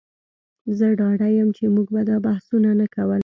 زه ډاډه یم چې موږ به دا بحثونه نه کول